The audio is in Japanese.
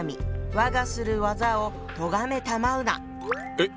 えっ！